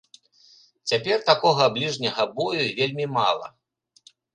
Цяпер такога бліжняга бою вельмі мала.